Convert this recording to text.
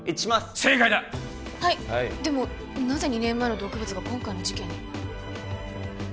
正解だはいでもなぜ２年前の毒物が今回の事件に？